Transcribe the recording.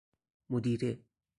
مدیره